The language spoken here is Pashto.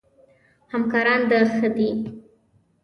همکاران د ښه دي؟